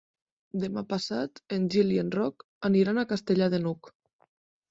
Demà passat en Gil i en Roc aniran a Castellar de n'Hug.